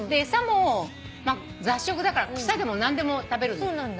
餌も雑食だから草でも何でも食べるの。